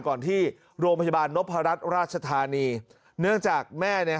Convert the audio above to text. ก่อนที่โรงพยาบาลนพรัชราชธานีเนื่องจากแม่เนี่ย